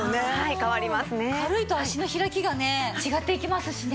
軽いと足の開きがね違っていきますしね。